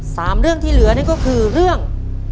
สามเรื่องที่เหลือนี่ก็คือเรื่อง